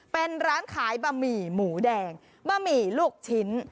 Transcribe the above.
เป็นร้านขายบะหมี่หมูแดงบะหมี่ลูกชิ้น